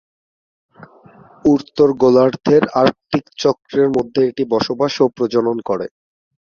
উত্তর গোলার্ধের আর্কটিক চক্রের মধ্যে এটি বসবাস ও প্রজনন করে।